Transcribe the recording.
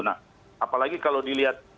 nah apalagi kalau dilihat